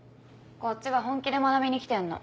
こっちは本気で学びに来てんの。